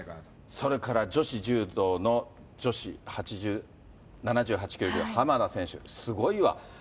それから女子柔道の、女子７８キロ級、浜田選手、すごいわ。